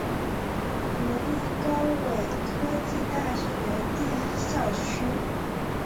国立高雄科技大学第一校区。